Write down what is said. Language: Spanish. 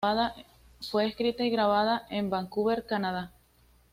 Fue escrita y grabada en Vancouver, Canadá.